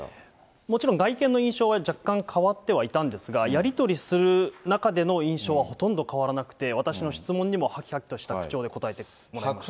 もちろん、外見の印象は若干変わってはいたんですが、やり取りする中での印象はほとんど変わらなくて、私の質問にもはきはきとした口調で答えてました。